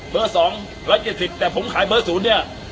เบอร์สองร้อยเจ็ดสิบแต่ผมขายเบอร์ศูนย์เนี้ย